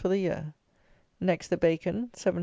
for the year. Next the bacon, 730 lb.